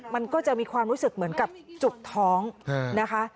มันก็จะมีความรู้สึกเหมือนกับจุกท้องนะคะ